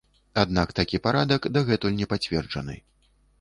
Аднак такі парадак дагэтуль не пацверджаны.